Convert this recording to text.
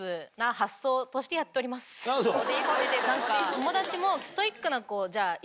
友達も。